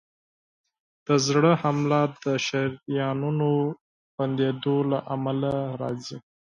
د زړه حمله د شریانونو بندېدو له امله راځي.